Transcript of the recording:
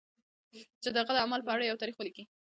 چې د هغه د اعمالو په اړه یو تاریخ ولیکي.